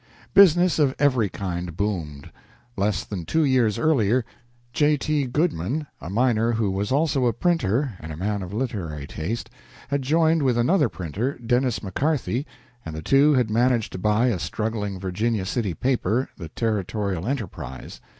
Business of every kind boomed. Less than two years earlier, J. T. Goodman, a miner who was also a printer and a man of literary taste, had joined with another printer, Dennis McCarthy, and the two had managed to buy a struggling Virginia City paper, the "Territorial Enterprise."